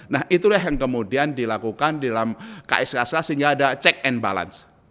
nah itulah yang kemudian dilakukan di dalam ksksk sehingga ada check and balance